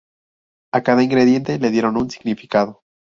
A cada ingrediente le dieron un significado.